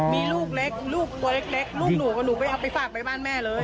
มีลูกเล็กลูกตัวเล็กลูกหนูกับหนูไปเอาไปฝากไปบ้านแม่เลย